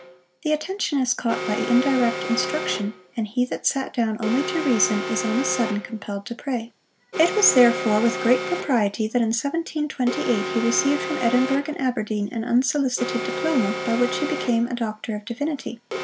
The attention is caught by indirect instruction, and he that sat down only to reason, is on a sudden compelled to pray. It was therefore with great propriety that, in 1728, he received From Edinburgh and Aberdeen an unsolicited diploma, by which he became a Doctor of Divinity.